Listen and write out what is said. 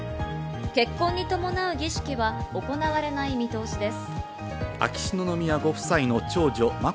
結婚に伴う儀式は行われない見通しです。